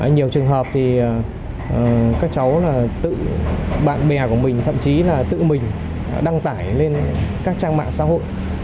nhiều trường hợp thì các cháu là tự bạn bè của mình thậm chí là tự mình đăng tải lên các trang mạng xã hội